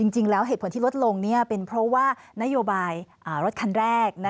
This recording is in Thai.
จริงแล้วเหตุผลที่ลดลงเป็นเพราะว่านโยบายรถคันแรก